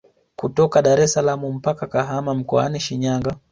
Kutoka Daressalaam mpaka Kahama mkoani Shinyanga